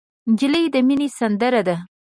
نجلۍ د مینې سندره ده.